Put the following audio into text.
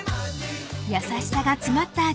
［優しさが詰まった味